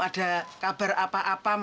aduh aduh aduh